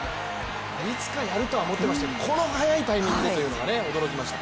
いつかやるとは思っていましたけど、この早いタイミングでというのが驚きました。